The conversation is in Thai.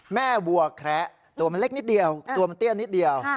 วัวแคระตัวมันเล็กนิดเดียวตัวมันเตี้ยนิดเดียว